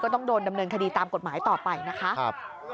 ต้องโดนดำเนินคดีตามกฎหมายต่อไปนะคะ